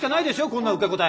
こんな受け答え！